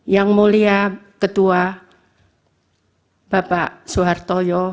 yang mulia ketua bapak suhartoyo